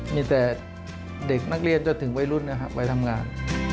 มีแต่เด็กนักเรียนจนถึงวัยรุ่นนะครับวัยทำงาน